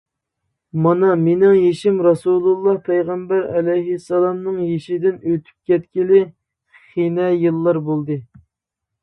مانا مېنىڭ يېشىم رەسۇلىللا پەيغەمبەر ئەلەيھىسسالامنىڭ يېشىدىن ئۆتۈپ كەتكىلى خېنە يىللار بولدى.